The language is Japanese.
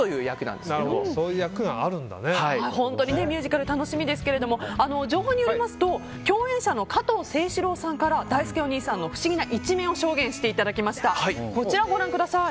ミュージカル楽しみですけども情報によりますと共演者の加藤清史郎さんからだいすけおにいさんの不思議な一面を証言していただきました。